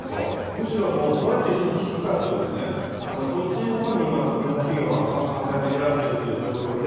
むしろ、どうやって引くかというそっちのほうに今、日本企業は考えを巡らせている状況